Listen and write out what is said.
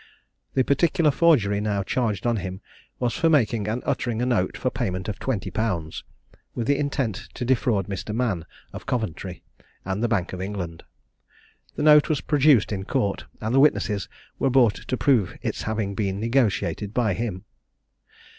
The particular forgery now charged on him was for making and uttering a note for payment of twenty pounds, with intent to defraud Mr. Mann, of Coventry, and the Bank of England. The note was produced in court, and the witnesses were brought to prove its having been negotiated by him.